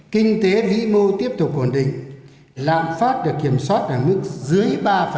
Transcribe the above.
kinh tế vĩ mô tiếp tục quản định lãng phát được kiểm soát ở mức dưới ba